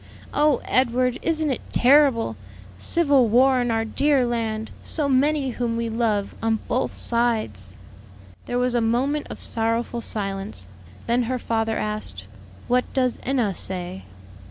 "Oh, Edward! isn't it terrible? Civil war in our dear land! So many whom we love on both sides!" There was a moment of sorrowful silence. Then her father asked, "What does Enna say?"